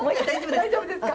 大丈夫ですか。